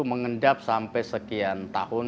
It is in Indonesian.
mengendap sampai sekian tahun